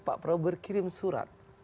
pak prabowo berkirim surat